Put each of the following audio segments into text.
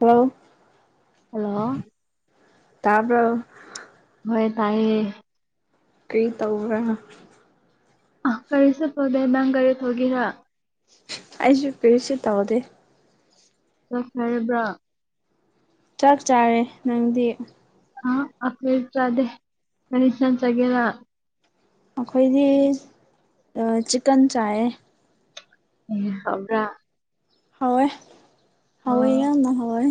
ꯍꯂ ꯍꯜꯂꯣ ꯇꯥꯕ ꯍꯣꯏ ꯇꯥꯏꯌꯦ ꯀꯔꯤ ꯇꯧꯕ꯭ꯔꯦ ꯑ ꯀꯔꯤꯁꯨ ꯊꯧꯒꯦ ꯅꯪ ꯀꯔꯤ ꯊꯧꯒꯦꯔ ꯑꯩꯁꯨ ꯀꯔꯤꯁꯤ ꯇꯥꯎꯗꯦ ꯆꯠꯈꯔꯕ꯭ꯔꯥ ꯆꯞ ꯆꯥꯔꯦ ꯅꯪꯗꯤ ꯑ ꯑꯦ ꯆꯗꯦ ꯀꯅꯤꯁꯟꯁꯒꯦꯔ ꯑꯩꯈꯣꯏꯗꯤ ꯆꯤꯛꯀꯟ ꯆꯥꯏ ꯎ ꯈꯕ꯭ꯔꯥ ꯍꯋꯥ ꯍꯋꯥ ꯌꯥ ꯅ ꯍꯋꯥ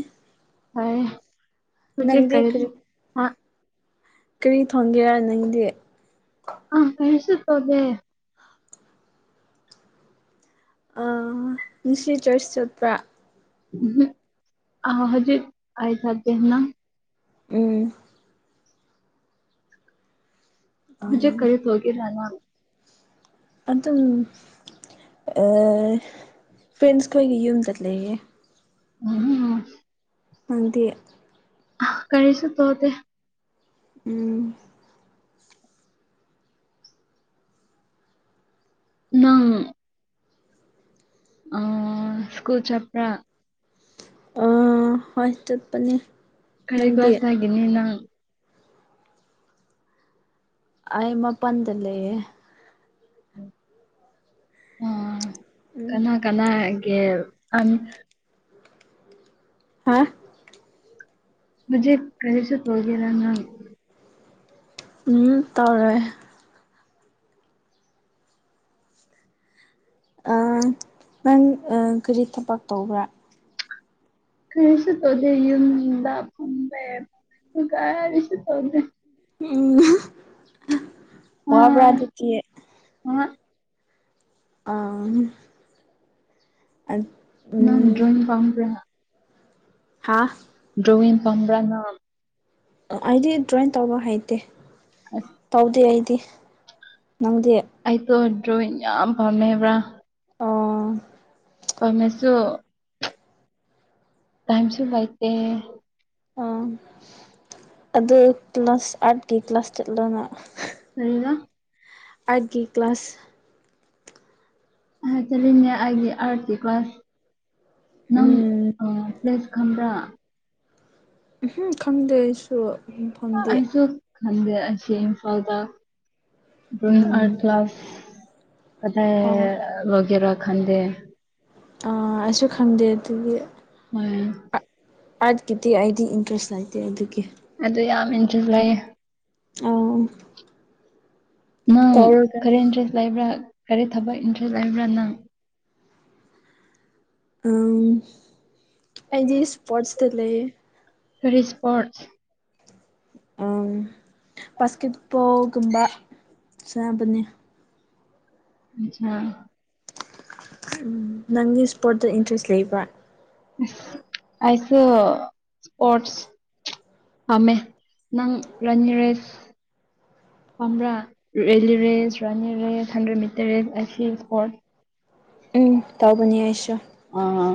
ꯍ ꯍꯨ ꯆꯦ ꯀꯔꯤ ꯍꯥ ꯀꯔꯤ ꯊꯣꯡꯒꯦꯔ ꯅꯪꯗꯤ ꯑ ꯀꯩꯁꯨ ꯇꯣꯗꯦ ꯑ ꯅꯨꯡꯁꯤ ꯆꯣꯏꯁ ꯆꯠꯄ꯭ꯔꯥ ꯑ ꯍꯧꯖꯤꯛ ꯑꯖꯗꯅ ꯎꯝ ꯍꯧꯖꯤꯛ ꯎꯝ ꯀꯔꯤ ꯇꯧꯒꯦꯔꯥ ꯅꯪ ꯑꯗꯨꯝ ꯐ꯭ꯔꯦꯟꯁ ꯈꯣꯏꯒꯤ ꯌꯨꯝꯗ ꯂꯩꯌꯦ ꯎꯝ ꯅꯪꯗꯤ ꯀꯔꯤꯁꯤ ꯇꯣ ꯇ ꯎꯝ ꯑꯪ ꯑ ꯁ꯭ꯀꯨꯜ ꯆꯄ꯭ꯔꯥ ꯑ ꯍꯣꯏ ꯆꯠꯄꯅꯤ ꯀꯔ ꯀ꯭ꯂ ꯀ꯭ꯂꯥꯁ ꯍꯥꯏꯒꯦꯅꯤ ꯅ ꯑꯩ ꯃꯄꯥꯟꯗ ꯂꯩꯦ ꯑ ꯎꯝ ꯀꯅꯥ ꯀꯅꯥꯒꯦ ꯍꯥ ꯃꯦ ꯀꯔꯤꯦꯁꯨ ꯊꯒꯔ ꯅ ꯎꯝ ꯇꯧꯔꯦ ꯅꯪ ꯀꯔꯤ ꯊꯕꯛ ꯇꯧꯕ꯭ꯔꯥ ꯀꯩꯔꯤꯁꯨ ꯇꯧꯗꯦ ꯌꯨꯝꯗ ꯐꯝꯕ ꯀꯔꯤꯁꯨ ꯇꯧꯗꯦ ꯎꯝ ꯋꯥꯕꯔꯥ ꯑꯥ ꯑꯗꯨꯗꯤ ꯑꯥ ꯑ ꯑ ꯅꯪ ꯗ꯭ꯔꯣꯌ ꯄꯝ꯭ꯕꯔꯥ ꯍꯥꯥ ꯗ꯭ꯔꯣꯋꯤꯟ ꯄꯝꯕ꯭ꯔꯥ ꯅꯪ ꯑꯩꯗꯤ ꯗ꯭ꯔꯣꯏꯟ ꯇꯧꯕ ꯍꯩꯇꯦ ꯑꯁ ꯇꯧꯗꯦ ꯑꯩꯗꯤ ꯅꯪꯗꯤ ꯑꯩꯗꯣ ꯗ꯭ꯔꯣꯋꯤꯡ ꯌꯥꯝ ꯄꯥꯝꯃꯦꯕ꯭ꯔꯥ ꯑꯣ ꯄꯥꯝꯃꯥꯁꯨ ꯇꯥꯏꯝ ꯁꯨ ꯂꯩꯇꯦ ꯑ ꯑꯗꯨ ꯀ꯭ꯂ ꯀ꯭ꯂꯥꯁ ꯑꯠꯀꯤ ꯀ꯭ꯂꯥꯁ ꯆꯠꯂꯣꯅ ꯀꯥꯔꯤꯔꯥ ꯑꯏꯠꯀꯤ ꯀ꯭ꯂꯥꯁ ꯑ ꯇꯔꯅꯦ ꯍꯥꯏ ꯑꯔꯗꯤ ꯀ꯭ꯂꯥꯁ ꯅꯪ ꯎꯝ ꯑ ꯄ꯭ꯂꯦꯁ ꯈꯪꯕꯔꯥ ꯎꯝ ꯈꯪꯗꯦ ꯑꯩꯁꯨ ꯎ ꯐꯪꯗꯦ ꯍꯟꯗꯦ ꯑꯁꯤ ꯏꯝꯐꯥꯜꯗ ꯗ꯭ꯔꯣꯌꯤꯡ ꯎꯝ ꯑꯥꯔꯠ ꯀ꯭ꯂꯥꯁ ꯑ ꯋꯥꯒꯦꯔꯥ ꯈꯥꯟꯗꯦ ꯑ ꯑꯩꯁꯨ ꯈꯪꯗꯦ ꯑꯗꯨꯗꯤ ꯍ ꯑꯥꯔꯠꯀꯤꯗꯤ ꯑꯩꯗꯤ ꯏꯟꯇ꯭ꯔꯦꯁ ꯂꯩꯇꯦ ꯑꯗꯨꯒꯤ ꯑꯩꯗꯤ ꯌꯥꯝ ꯏꯟꯇꯦꯔꯦꯁꯇ꯭ ꯂꯩꯌꯦ ꯑꯣ ꯅꯪ ꯇꯧꯔꯒ ꯀꯔꯤ ꯏꯟꯇꯔꯦꯁ ꯂꯩꯕ꯭ꯔꯥ ꯀꯔꯤ ꯊꯕꯛ ꯏꯟꯇꯔꯦꯁ ꯂꯩꯕ꯭ꯔꯥ ꯅꯪ ꯑ ꯑꯩꯗꯤ ꯏꯁꯄꯣꯔꯠꯁ ꯗ ꯂꯩ ꯐꯔꯤ ꯏꯁꯄꯣꯔꯠꯁ ꯎꯝ ꯕꯥꯁꯀꯦꯠꯕꯣꯜꯒꯨꯝꯕ ꯁꯅꯕꯅꯦ ꯑꯆꯥꯥ ꯅꯪꯒꯤ ꯏꯁꯄꯣꯔꯠꯇꯠꯇ ꯏꯟꯇꯔꯦꯁ ꯂꯩꯕ꯭ꯔꯥ ꯑꯁꯨ ꯏꯁꯄꯣꯠꯁ ꯄꯝꯃꯦ ꯅꯪ ꯔꯖ ꯔꯦꯁ ꯀ꯭ꯔꯥ ꯔꯦꯂꯤ ꯔꯦꯁ ꯔꯥꯅꯤ ꯔꯦꯁ ꯍꯟꯗ꯭ꯔꯦꯠ ꯃꯤꯇꯔ ꯔꯦꯁ ꯑꯦ ꯁꯤ ꯏꯁ ꯐꯣꯔ ꯎꯝ ꯇꯧꯕꯅꯤ ꯍꯥꯏꯁꯨ ꯑꯥ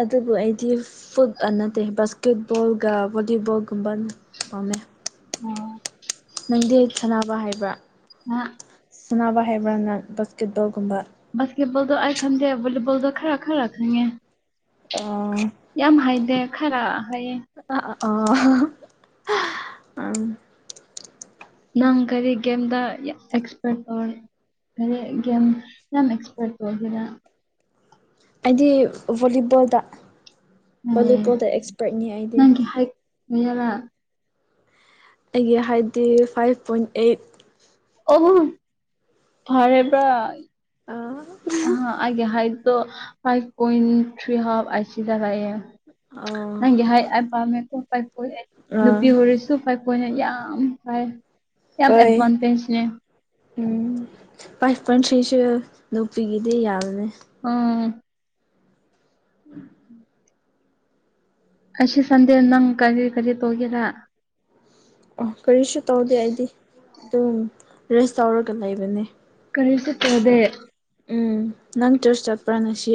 ꯑꯗꯨꯕꯨ ꯑꯩꯗꯤ ꯐꯨꯠ ꯑ ꯅꯠꯇꯦ ꯕꯁ ꯐꯦꯠꯕꯣꯜꯒ ꯣꯂꯤꯕꯜꯒꯨꯝꯕꯅꯤ ꯐꯥꯎꯝꯃꯦ ꯅꯪꯗꯤ ꯁꯥꯟꯅꯕ ꯍꯥꯏꯕ꯭ꯔꯥ ꯑꯥ ꯁꯥꯟꯅꯕ ꯍꯥꯏꯕ꯭ꯔꯥ ꯅꯪ ꯕꯥꯁꯀꯦꯠꯕꯣꯜꯒꯨꯝꯕ ꯁ ꯀꯦꯕꯣꯜꯗꯣ ꯑꯩ ꯈꯟꯗꯦꯕꯣꯜꯗꯣ ꯈꯔ ꯈꯔ ꯈꯪꯉꯦ ꯑ ꯌꯥꯝ ꯍꯥꯏꯗꯦ ꯈꯔ ꯍꯥꯏꯌꯦ ꯑ ꯎꯝ ꯅꯪ ꯀꯔꯤ ꯀꯦꯝꯗ ꯑꯦꯁꯄꯦꯛ ꯇꯧꯏ ꯌꯥꯝ ꯑꯦꯛꯁꯄꯔꯠ ꯑꯣꯏꯒꯗꯦ ꯑꯩꯗꯤ ꯚꯣꯂꯤꯕꯣꯜꯗ ꯚꯣꯂꯤꯕꯣꯜꯗ ꯑꯦꯛꯁꯄꯔꯠꯅꯤ ꯑꯩꯗꯤ ꯌꯥꯔ ꯑꯩꯒꯤ ꯍꯥꯏꯠꯗꯤ ꯐꯥꯏꯚ ꯄꯣꯏꯟ ꯑꯩꯠ ꯑꯣꯍ ꯐꯔꯦ ꯄ ꯑꯥ ꯑꯥ ꯑꯩꯒꯤ ꯍꯥꯏꯠ ꯇꯣ ꯐꯥꯏꯚ ꯄꯣꯏꯟ ꯊ꯭ꯔꯤ ꯍꯥꯞ ꯑꯁꯤꯗ ꯂꯩꯌꯦ ꯑ ꯅꯪꯒꯤ ꯍꯥꯏꯠ ꯑꯩ ꯄꯥꯝꯃꯦꯀꯣ ꯐꯥꯏꯈꯣꯏ ꯅꯨꯄꯤ ꯑꯣꯏꯔꯁꯨ ꯐꯥꯏꯈꯣꯏꯅ ꯌꯥꯝ ꯐꯥꯏ ꯌꯥꯝ ꯍꯣꯏ ꯑꯦꯗꯚꯥꯟꯇꯦꯖꯅꯦ ꯎꯝ ꯐꯥꯏꯚ ꯄꯣꯏꯟ ꯊ꯭ꯔꯤꯁꯨ ꯅꯨꯄꯤꯒꯤꯗꯤ ꯌꯥꯝꯕꯅꯦ ꯎꯝ ꯎꯝ ꯑꯁꯤ ꯁꯗꯤꯦ ꯅꯪ ꯀꯔꯤ ꯀꯔꯤ ꯇꯣꯒꯦꯔ ꯑꯣ ꯀꯔꯤꯁꯨ ꯇꯧꯗꯦ ꯑꯩꯗꯤ ꯑꯗꯨꯝ ꯔꯦꯁ ꯇꯧꯔꯒ ꯂꯩꯕꯅꯦ ꯀꯔꯤꯁꯤ ꯇꯗꯦ ꯎꯝ ꯅꯪ ꯆꯨꯔꯁ ꯆꯠꯄ꯭ꯔꯥꯅ ꯁꯤ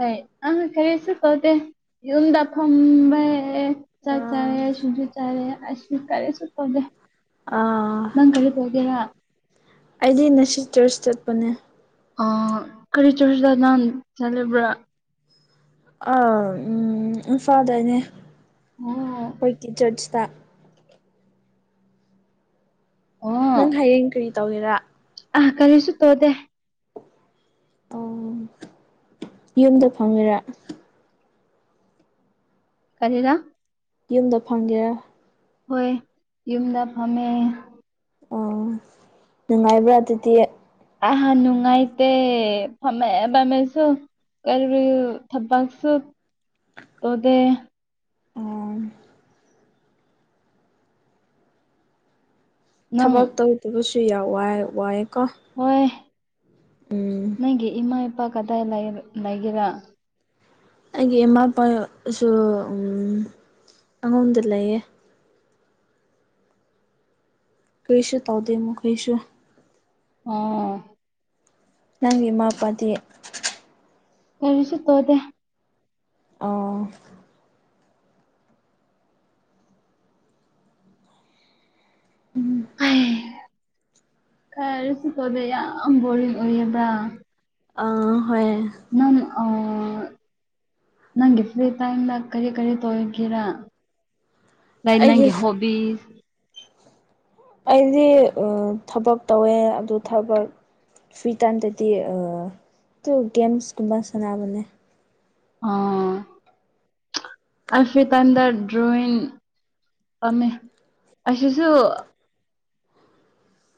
ꯑꯩ ꯑ ꯀꯔꯤꯁꯨ ꯀꯧꯗꯤꯦ ꯌꯟꯗ ꯐꯝꯕꯃꯦ ꯆꯥꯛ ꯆꯥꯔꯦ ꯁꯨꯖ ꯆꯥꯔꯦ ꯑꯁꯀꯔꯤꯁ ꯇꯗ ꯑꯥ ꯅꯪ ꯀꯔꯤ ꯄꯒꯦꯔꯥ ꯑꯩꯗꯤ ꯉꯁꯤ ꯆꯔꯆ ꯆꯠꯄꯅꯦ ꯑ ꯀꯔꯤ ꯆꯨꯔꯗ ꯅꯥꯟ ꯆꯂꯕ꯭ꯔꯥ ꯑ ꯏꯝꯐꯥꯜꯗꯅꯦ ꯑꯣ ꯑꯩꯈꯣꯏꯒꯤ ꯆꯔꯆꯇ ꯅꯪ ꯍꯌꯦꯡ ꯀꯔꯤ ꯇꯧꯒꯦꯔ ꯑ ꯈꯂꯁꯨ ꯇꯣꯗꯦ ꯑꯣ ꯌꯨꯝꯗ ꯐꯪꯉꯔꯥ ꯀꯔꯤꯦꯗ ꯌꯨꯝꯗ ꯐꯪꯒꯦ ꯍꯣꯏ ꯌꯨꯝꯗ ꯐꯝꯃꯦ ꯑꯣ ꯅꯨꯡꯉꯥꯏꯕ꯭ꯔꯥ ꯑꯗꯨꯗꯤ ꯑꯍꯥꯟ ꯅꯨꯡꯉꯥꯏ ꯐꯃꯦ ꯐꯃꯦꯁꯨ ꯀꯔꯤꯕꯨ ꯊꯄꯁꯨ ꯑꯗꯨꯗ ꯑꯣꯣꯡ ꯅꯪ ꯊꯕꯛ ꯇꯧꯗꯕꯁꯨ ꯌꯥ ꯋꯥꯏ ꯋꯥꯏ ꯍꯣꯏ ꯎꯝ ꯅꯪꯒꯤ ꯏꯃꯥꯏ ꯄꯥ ꯀꯗꯥꯏ ꯂꯩ ꯂꯩꯒꯦꯔꯥ ꯑꯩꯒꯤ ꯏꯃꯥꯄꯥꯁꯨ ꯎꯝ ꯑꯉꯣꯝꯗ ꯂꯩꯌꯦ ꯀꯔꯤꯁꯨ ꯇꯧꯗꯦ ꯃꯈꯣꯏꯁꯨ ꯑꯣ ꯅꯪꯒꯤ ꯏꯃꯥꯄꯥꯗꯤ ꯀꯔꯤꯁꯨ ꯇꯣꯗꯦ ꯑꯥ ꯎꯝ ꯈꯔꯁꯨ ꯇꯣꯗꯦ ꯌꯥꯝ ꯕꯣꯔꯤꯡ ꯑꯣꯏꯌꯦꯕ ꯑ ꯍꯣꯏ ꯅꯪ ꯑ ꯅꯪꯒꯤ ꯐꯂꯤ ꯇꯥꯏꯝꯗ ꯀꯔꯤ ꯀꯔꯤ ꯇꯧꯏꯒꯦꯔꯥ ꯂꯩꯥꯏ ꯑꯩꯒꯤ ꯅꯪꯒꯤ ꯍꯣꯕꯤꯁ ꯑꯩꯗꯤ ꯑ ꯊꯕꯛ ꯇꯧꯋꯦ ꯑꯗꯨ ꯊꯕꯛ ꯐ꯭ꯔꯤ ꯇꯥꯏꯝꯗꯗꯤ ꯑ ꯑꯗꯨ ꯒꯦꯝꯁꯀꯨꯝꯕ ꯁꯥꯟꯅꯥꯕꯅꯦ ꯑ ꯑꯩ ꯐꯔꯤ ꯇꯥꯏꯝꯗ ꯗ꯭ꯔꯣꯌꯤꯡ ꯑꯃꯦ ꯑꯁꯤꯁꯨ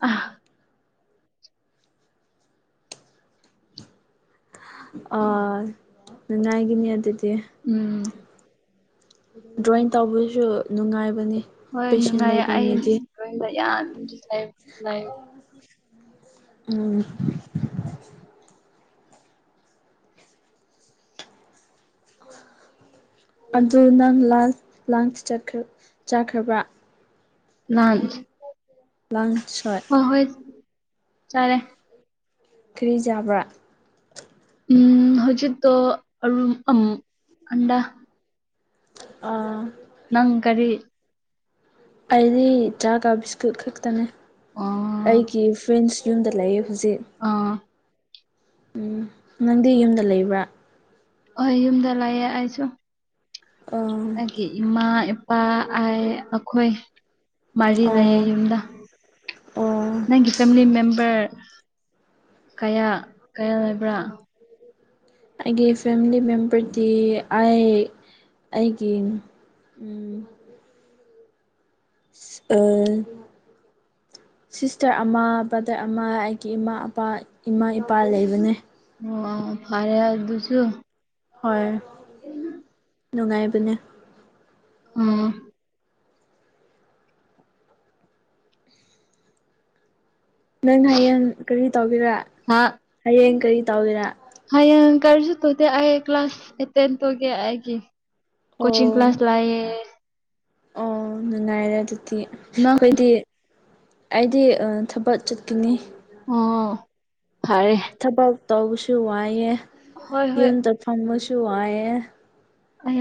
ꯑ ꯑ ꯅꯨꯡꯒꯥꯏꯒꯅꯤ ꯑꯗꯨꯗꯤ ꯎꯝ ꯗ꯭ꯔꯣꯌꯤꯡ ꯇꯧꯕꯁꯨ ꯅꯨꯡꯉꯥꯏꯕꯅꯤ ꯄꯦꯁꯟ ꯂꯩꯕ ꯃꯤꯗꯤ [unintelligible] ꯎꯝ ꯑꯗꯨ ꯅꯪ ꯂꯥꯁ ꯂꯥꯟꯁ ꯆꯠꯈꯔ ꯆꯥꯈ꯭ꯔꯕ꯭ꯔ ꯂꯥꯟꯁ ꯂꯥꯟꯁ ꯍꯣꯏ ꯆꯥꯔꯦ ꯀꯔꯤ ꯆꯥꯕ꯭ꯔꯥ ꯎꯝ ꯍꯧꯖꯤꯛꯇꯣ ꯑꯔꯨꯝ ꯑꯝ ꯑꯟꯗꯥ ꯑꯥ ꯅꯪ ꯀꯔꯤ ꯑꯩꯗꯤ ꯆꯥ ꯇꯕꯤꯁ ꯑꯗꯨ ꯈꯛꯇꯅꯦ ꯑꯣ ꯑꯩꯒꯤ ꯐ꯭ꯔꯦꯟꯁ ꯌꯨꯝꯗ ꯂꯩꯌꯦ ꯍꯧꯖꯤꯛ ꯑꯥ ꯎꯝ ꯅꯪꯗꯤ ꯌꯨꯝꯗ ꯂꯩꯕ꯭ꯔꯥ ꯍꯣꯏ ꯌꯨꯝꯗ ꯂꯌꯦ ꯑꯩꯁꯨ ꯑꯣ ꯑꯩꯒꯤ ꯏꯃꯥ ꯏꯄꯥ ꯑꯩ ꯑꯩꯈꯣꯏ ꯃꯔꯤ ꯑꯣ ꯂꯩꯌꯦ ꯌꯨꯝꯗ ꯑꯣ ꯅꯪꯒꯤ ꯐꯦꯃꯤꯂꯤ ꯃꯦꯝꯕꯔ ꯀꯌꯥ ꯀꯌꯥ ꯂꯩꯕ꯭ꯔꯥ ꯑꯩꯒꯤ ꯐꯦꯃꯤꯂꯤ ꯃꯦꯝꯕꯔꯗꯤ ꯑꯩ ꯑꯩꯒꯤꯡ ꯎ ꯏꯁ ꯑ ꯁꯤꯁꯇꯔ ꯑꯃ ꯕ꯭ꯔꯗꯔ ꯑꯃ ꯑꯩꯒꯤ ꯏꯃꯥꯄꯥ ꯏꯃꯥ ꯏꯄꯥ ꯂꯩꯕꯅꯦ ꯑꯣ ꯐꯔꯦ ꯍꯥꯏꯗꯨꯁꯨ ꯍꯣꯏ ꯅꯨꯡꯉꯥꯏꯕꯅꯦ ꯎꯝ ꯅꯪ ꯍꯌꯦꯡ ꯀꯔꯤ ꯇꯧꯒꯦꯔꯥ ꯍꯥ ꯍꯌꯦꯡ ꯀꯔꯤ ꯇꯧꯒꯦꯔꯥ ꯍꯌꯦꯡ ꯀꯔꯤꯁꯨ ꯇꯣꯗꯦ ꯑꯩ ꯀ꯭ꯂꯥꯁ ꯑꯦꯇꯦꯟ ꯇꯧꯗꯦ ꯑꯩꯒꯤ ꯀꯣꯆꯤꯡ ꯑꯣ ꯀ꯭ꯂꯥꯁ ꯂꯥꯏꯌꯦ ꯑꯣ ꯅꯨꯡꯉꯥꯏꯔꯦ ꯑꯗꯨꯗꯤ ꯅꯪ ꯑꯩꯈꯣꯏꯗꯤ ꯑꯩꯗꯤ ꯑ ꯊꯕꯛ ꯆꯠꯈꯤꯅꯤ ꯑꯣ ꯐꯔꯦ ꯇꯧꯕꯁꯨ ꯋꯥꯏꯑꯦ ꯍꯣꯏ ꯍꯣꯏ ꯌꯨꯝꯗ ꯐꯪꯕꯁꯨ ꯋꯥꯏꯑꯦ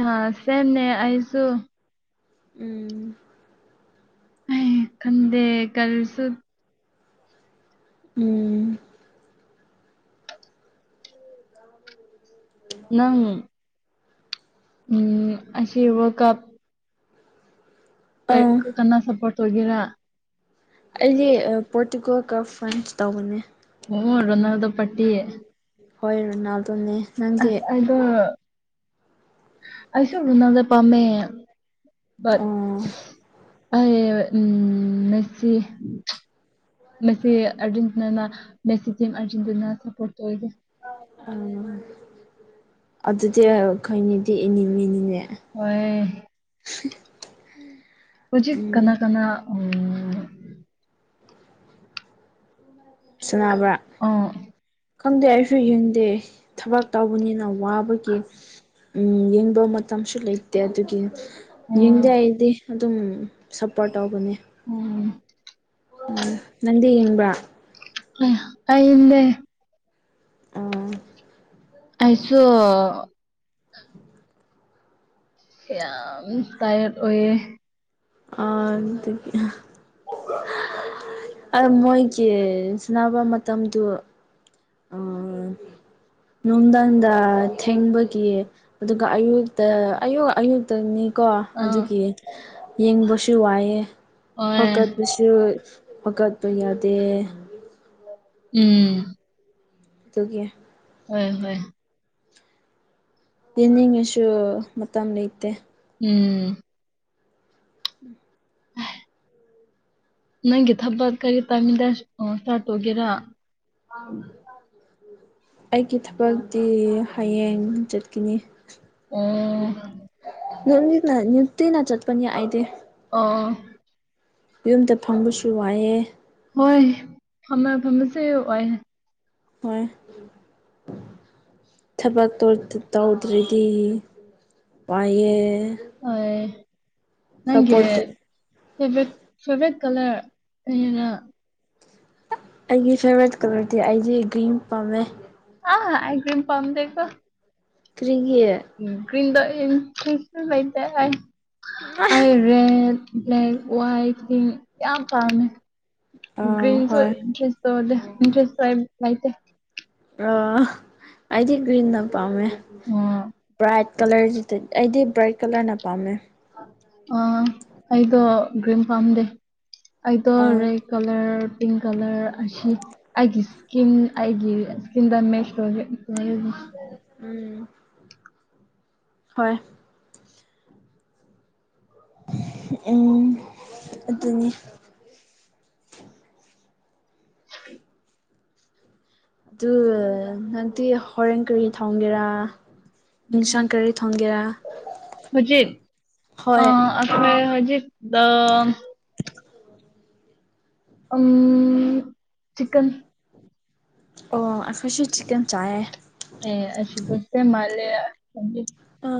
ꯑ ꯁꯦꯝꯅꯦ ꯑꯩꯁꯨ ꯎꯝ ꯑ ꯀꯗꯦ ꯀꯜꯁꯨ ꯎꯝ ꯅꯪ ꯎ ꯎꯝ ꯑꯁꯤ ꯀꯞ ꯑꯥ ꯀ ꯀꯅꯥ ꯁꯄꯣꯔꯠ ꯑꯣꯏꯒꯦꯔꯥ ꯑꯩꯗꯤ ꯄꯣꯔꯇꯨꯒꯜꯒ ꯐ꯭ꯔꯥꯟꯁ ꯇꯧꯕꯅꯦ ꯑꯣꯔ ꯅꯗꯣ ꯄꯇꯤ ꯍꯣꯏ ꯔ ꯅ ꯑ ꯑꯗꯣ ꯑꯁꯨ ꯨꯅꯖ ꯃꯦ ꯑ ꯑꯣ ꯎꯝ ꯍ ꯃꯁꯤ ꯑꯔꯖꯦꯟꯇꯤꯅꯥ ꯃꯁꯤ ꯇꯤꯝ ꯑꯥꯔꯖꯦꯟꯇꯤꯅꯥ ꯁꯄꯣꯔꯠ ꯇ ꯑꯣꯏꯒꯦ ꯎꯝ ꯑꯗꯨꯗꯤ ꯈꯩꯅꯤꯗꯤ ꯏꯅꯤ ꯃꯤꯅꯤꯅꯦ ꯍ ꯄꯔꯤ ꯍꯧꯖꯤꯛ ꯀꯅꯥ ꯀꯅꯥ ꯎ ꯁꯅꯥꯕ꯭ꯔꯥ ꯑꯣ ꯈꯪꯗꯦ ꯑꯩꯁꯨ ꯌꯦꯡꯗꯦ ꯊꯕꯛ ꯇꯧꯕꯅꯤꯅ ꯋꯥꯕꯒꯤ ꯎꯝ ꯌꯦꯡꯕ ꯃꯇꯝꯁꯨ ꯂꯩꯇꯦ ꯑꯗꯨꯒꯤ ꯌꯦꯡꯗꯦ ꯑꯣ ꯑꯩꯗꯤ ꯑꯗꯨꯝ ꯁꯞꯄꯣꯔꯠ ꯇꯧꯕꯅꯤ ꯎꯝ ꯎꯝ ꯅꯗꯤ ꯌꯦꯡꯕ꯭ꯔꯥ ꯑ ꯀ ꯏ ꯂꯩꯦ ꯑꯥ ꯑꯩꯁꯨ ꯇꯥꯏ ꯑꯣꯏ ꯑ ꯑ ꯃꯣꯏ ꯀ ꯁꯥꯟꯅꯕ ꯃꯇꯝꯗꯨ ꯅꯨꯡꯊꯪꯗ ꯊꯦꯡꯕꯒꯤ ꯑꯗꯨꯒ ꯑꯌꯨꯛꯇ ꯑꯌꯨꯛꯇꯅꯤ ꯀꯣ ꯑꯥ ꯑꯗꯨꯒꯤ ꯌꯦꯡꯕꯁꯨ ꯋꯥꯏꯑꯦ ꯍꯣꯏ ꯍꯣꯀꯠꯄꯁꯨ ꯋꯥꯀꯠꯄ ꯌꯥꯗꯦ ꯎꯝ ꯑꯗꯨꯒꯤ ꯍꯣꯏ ꯍꯣꯏ ꯇꯅꯤꯡꯉꯁꯨ ꯃꯇꯝ ꯂꯩꯇꯦ ꯎꯝ ꯅꯪꯒꯤ ꯊꯕ ꯑꯗꯨ ꯀꯔꯤ ꯇꯝꯗ ꯁꯥꯇ ꯑꯣꯏꯒꯦꯔꯥ ꯑꯩꯒꯤ ꯊꯕꯛꯇꯤ ꯍꯌꯦꯡ ꯆꯠꯈꯤꯅꯤ ꯑꯣ ꯅ ꯅꯤꯡꯇ ꯅ ꯆꯠꯄꯅꯤ ꯑꯥꯏꯗꯤꯦ ꯑꯣ ꯌꯨꯝꯗ ꯐꯪꯕꯁꯨ ꯋꯥꯏꯑꯦ ꯍꯣꯏ ꯐꯝꯃ ꯐꯝꯃꯁꯦ ꯑꯣꯏ ꯍꯣꯏ ꯊꯕ ꯇꯎꯗ꯭ꯔꯔꯤꯗꯤ ꯄꯥꯏꯌꯦ ꯍ ꯁꯄꯣꯠ ꯇ ꯐꯦꯚꯔꯦꯠ ꯐꯦꯚꯔꯦꯠ ꯀꯂꯔ ꯌꯦꯅ ꯑꯩꯒꯤ ꯐꯦꯚꯣꯔꯥꯏꯠ ꯀꯂꯔꯗꯤ ꯑꯩꯗꯤ ꯒ꯭ꯔꯤꯟ ꯄꯥꯝꯃꯦ ꯑ ꯑꯩꯥꯏ ꯀ꯭ꯔꯤꯝ ꯄꯝꯗꯣ ꯀꯔꯤꯒꯦ ꯀꯔꯤꯥꯏꯇ ꯔꯦꯠ ꯕ꯭ꯂꯦꯛ ꯋꯥꯏꯠ ꯀ ꯀ ꯀꯥꯝ ꯑ ꯭ꯔꯤꯟꯁꯨ ꯍꯣꯏ ꯏꯟ꯭ꯔꯦꯁ ꯇ ꯏꯟ꯭ꯔꯦꯁ ꯑ ꯑꯩꯗꯤ ꯀ꯭ꯔꯤꯟꯅ ꯄꯥꯝꯃꯦ ꯑꯣ ꯄ꯭ꯔꯥꯏ ꯀꯂꯔꯁꯤꯗ ꯑꯩꯗꯤ ꯕ꯭ꯔꯥꯏꯠ ꯀꯂꯔꯅ ꯄꯥꯝꯃꯦ ꯑ ꯑꯩꯗꯣ ꯒ꯭ꯔꯤꯟ ꯄꯥꯝꯗꯦ ꯑꯩꯗꯣ ꯑ ꯔꯦꯗ ꯀꯂꯔ ꯄꯤꯡ ꯀꯂꯔ ꯑꯁꯤ ꯑꯩꯒꯤ ꯏꯁꯀꯤꯟ ꯑꯩꯒꯤ ꯏꯁꯀꯤꯟꯗ ꯃꯦꯁ ꯇꯧ ꯎꯝ ꯍꯣꯏ ꯎꯝ ꯑꯗꯨꯅꯤ ꯎ ꯑꯗꯨ ꯅꯪꯗꯤ ꯍꯣꯔꯦꯟ ꯀꯔꯤ ꯊꯥꯎꯒꯦꯔꯥ ꯏꯪꯁꯥꯡ ꯀꯔꯤ ꯊꯣꯡꯒꯦꯔꯥ ꯑ ꯍꯣꯏ ꯑꯩꯈꯣꯏ ꯍꯧꯖꯤ ꯑ ꯑꯣ ꯎꯝ ꯆꯛꯟ ꯑꯣ ꯑꯩꯈꯣꯏꯁꯤ ꯆꯛꯦꯟ ꯆꯥꯏ ꯑꯦ ꯑꯁꯤꯁꯦ ꯃꯥꯂꯦ ꯑ